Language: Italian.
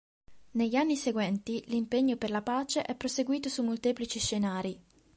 Negli anni seguenti, l'impegno per la pace è proseguito su molteplici scenari.